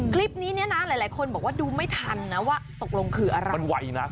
คลิปนี้เนี่ยนะหลายคนบอกว่าดูไม่ทันนะว่าตกลงคืออะไรมันไวนะ